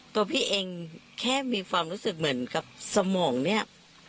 ตัวพี่เองแค่มีความรู้สึกเหมือนกับสมองเนี่ย